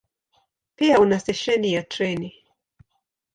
Pia una stesheni ya treni.